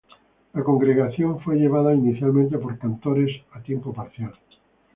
La congregación fue llevada inicialmente por cantores a tiempo parcial.